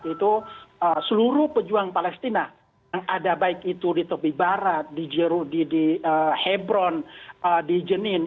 itu seluruh pejuang palestina yang ada baik itu di tepi barat di jerudi di hebron di jenin